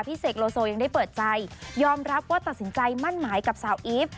เสกโลโซยังได้เปิดใจยอมรับว่าตัดสินใจมั่นหมายกับสาวอีฟ